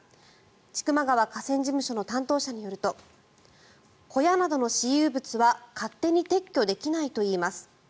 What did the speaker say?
千曲川河川事務所の担当者によると小屋などの私有物は勝手に撤去できないといいます。